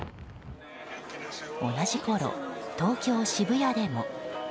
同じころ、東京・渋谷でも。